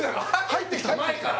入ってきた？